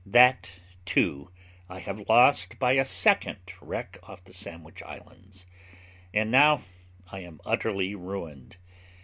That, too, I have lost by a second wreck off the Sandwich Islands, and now I am utterly ruined.